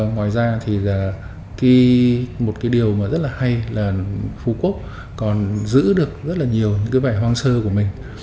ngoài ra một điều rất hay là phú quốc còn giữ được rất nhiều bài hoang sơ của mình